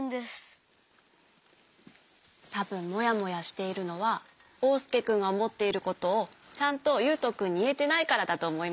たぶんもやもやしているのはおうすけくんがおもっていることをちゃんとゆうとくんにいえてないからだとおもいますよ。